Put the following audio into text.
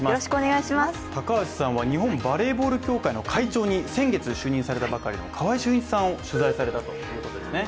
高橋さんは日本バレーボール協会の会長に先月、就任されたばかりの川合俊一さんを取材されたということですね。